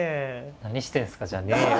「何してんすか」じゃねえよ。